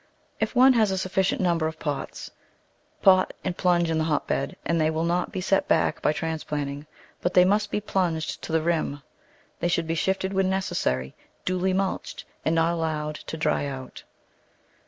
If one has a sufficient number of pots, pot and plunge in the hotbed and they will not be set back by trans planting, but they must be plunged to the rim. They should be shifted when necessary, duly mulched, and not allowed to dry out.